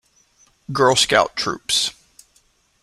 Girl Scout troops.